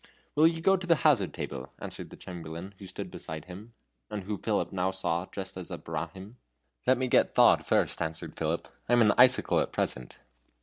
"Will you go to the hazard table?" whispered the Chamberlain, who stood beside him, and who Philip now saw was dressed as a Brahmin. "Let me get thawed first," answered Philip; "I am an icicle at present."